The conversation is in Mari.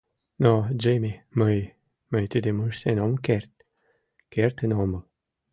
— Но, Джимми, мый... мый тидым ыштен ом керт... кертын омыл!